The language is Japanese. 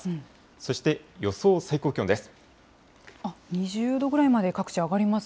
そして、予想最高気温です。